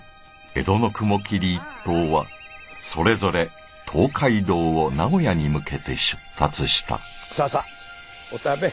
江戸の雲霧一党はそれぞれ東海道を名古屋に向けて出立したささお食べ。